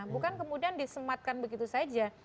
bukan kemudian disematkan begitu saja